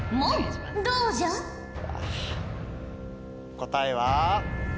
答えは。